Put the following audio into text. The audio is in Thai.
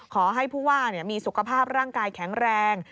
ขอให้ผู้ว่ามีสุขภาพร่างกายแข็งแรง